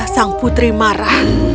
sang putri marah